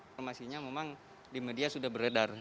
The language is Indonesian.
informasinya memang di media sudah beredar